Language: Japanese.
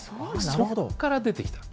そこから出てきた。